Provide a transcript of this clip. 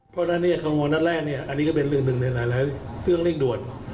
เพราะฉะนั้นคำนวณนัดแรกอันนี้ก็เป็นเรื่องหนึ่งในหลายเครื่องเร่งด่วน